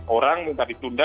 orang minta ditunda